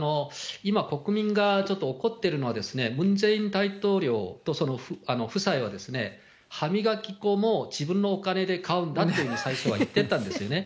今、国民がちょっと怒ってるのは、ムン・ジェイン大統領とその夫妻は歯みがき粉も自分のお金で買うんだというふうに最初は言ってたんですよね。